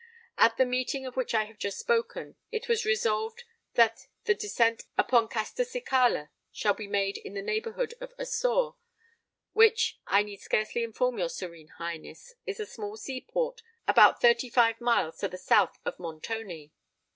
"At the meeting of which I have just spoken, it was resolved that the descent upon Castelcicala shall be made in the neighbourhood of Ossore, which, I need scarcely inform your Serene Highness, is a small sea port about thirty five miles to the south of Montoni.